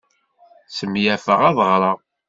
Smenyafeɣ ad ɣreɣ.